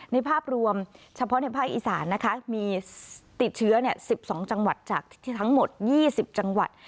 ภาพรวมเฉพาะในภาคอีสานนะคะมีติดเชื้อ๑๒จังหวัดจากที่ทั้งหมด๒๐จังหวัด